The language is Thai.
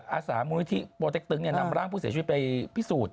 อาสามูลนิธิโปรเต็กตึงนำร่างผู้เสียชีวิตไปพิสูจน์